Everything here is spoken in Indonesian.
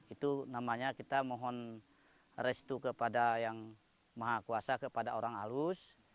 itu namanya kita mohon restu kepada yang maha kuasa kepada orang halus